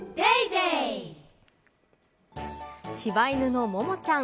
柴犬のモモちゃん。